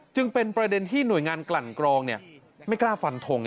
จึงเป็นประเด็นที่หน่วยงานกลั่นกรองไม่กล้าฟันทง